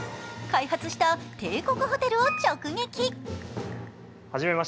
開発した帝国ホテルを直撃。